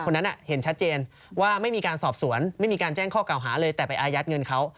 คนนั้นเห็นชัดเจนว่าไม่มีการสอบสวนไม่มีการแจ้งข้อเก่าหาเลยแต่ไปอายัดเงินเขา